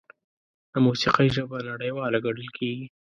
د موسیقۍ ژبه نړیواله ګڼل کېږي.